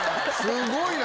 すごいな。